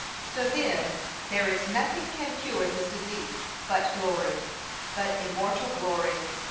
So then, there is nothing can cure this disease, but glory: but immortal glory.